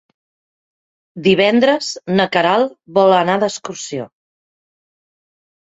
Divendres na Queralt vol anar d'excursió.